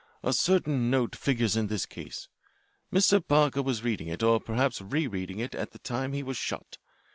A certain note figures in this case. Mr. Parker was reading it, or perhaps re reading it, at the time he was shot.